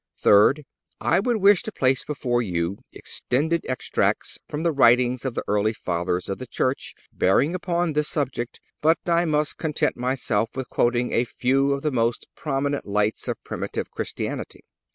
Third—I would wish to place before you extended extracts from the writings of the early Fathers of the Church bearing upon this subject; but I must content myself with quoting a few of the most prominent lights of primitive Christianity.